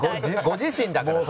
ご自身だから。